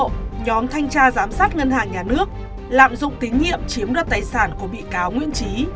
nhóm thanh tra giám sát ngân hàng nhà nước lạm dụng tín nhiệm chiếm đoạt tài sản của bị cáo nguyễn trí